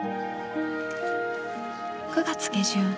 ９月下旬。